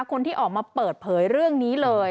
คนที่ออกมาเปิดเผยเรื่องนี้เลย